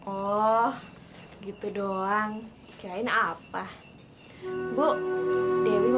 oh gitu doang kirain apa oproof dewi erm body ya